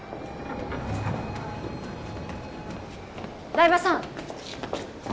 台場さん！